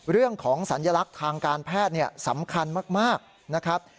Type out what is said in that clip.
เรื่องของสัญลักษณ์ทางการแพทย์สำคัญมากนะครับ